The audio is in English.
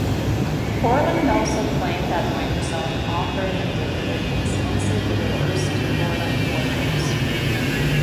Borland also claimed that Microsoft offered and delivered expensive lures to Borland workers.